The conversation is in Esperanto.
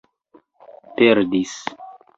perdis